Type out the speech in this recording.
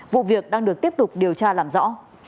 vụ việc đang được tiếp tục điều tra làm rõ